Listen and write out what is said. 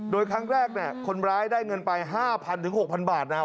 โดยครั้งแรกเนี่ยคนร้ายได้เงินไปห้าพันถึงหกพันบาทนะ